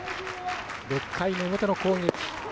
６回の表の攻撃。